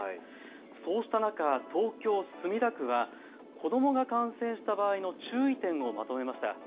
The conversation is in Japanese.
そうした中、東京墨田区は子どもが感染した場合の注意点をまとめました。